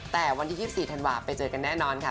แต่วันที่๒๔ธันวาคไปเจอกันแน่นอนค่ะ